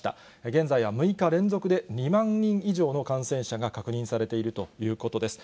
現在は６日連続で、２万人以上の感染者が確認されているということです。